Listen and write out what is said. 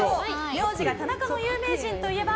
名字が田中の有名人といえば？